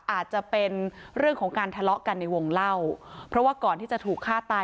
อาจจะเป็นเรื่องของการทะเลาะกันในวงเล่าเพราะว่าก่อนที่จะถูกฆ่าตาย